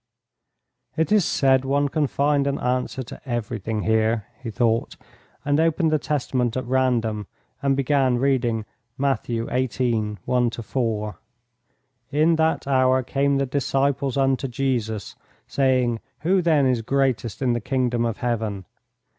"It is said one can find an answer to everything here," he thought, and opened the Testament at random and began reading Matt. xviii. 1 4: "In that hour came the disciples unto Jesus, saying, Who then is greatest in the Kingdom of Heaven?